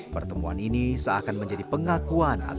pertemuan ini seakan menjadi pengakuan atas jalan surat